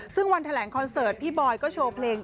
ซึ่งวันแถลงคอนเสิร์ตพี่บอยก็โชว์เพลง